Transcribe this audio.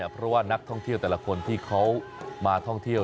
เพราะว่านักท่องเที่ยวแต่ละคนที่เขามาท่องเที่ยว